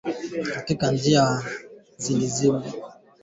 Njia za kulinda viazi lishe visiliwe na wadudu shambani